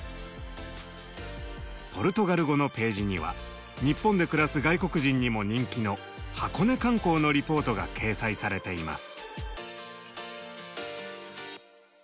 ポルトガル語のページには日本で暮らす外国人にも人気の箱根観光のリポートが掲載されています。